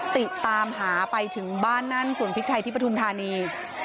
ติตามหาไปถึงบ้านนั่นสวนพริกไทยที่ปฐุมธานี